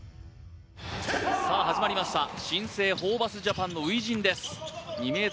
さあ始まりました新生ホーバスジャパンの初陣です